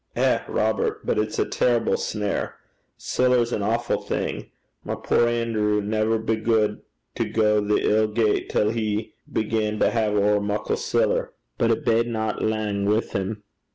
'Eh, Robert! but it's a terrible snare. Siller 's an awfu' thing. My puir Anerew never begud to gang the ill gait, till he began to hae ower muckle siller. But it badena lang wi' 'im.'